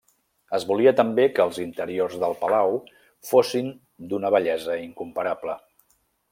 Es volia també que els interiors del palau fossin d'una bellesa incomparable.